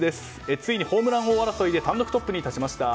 ついにホームラン王争いで単独トップに立ちました。